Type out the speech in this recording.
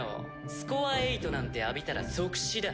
スコア８なんて浴びたら即死だ。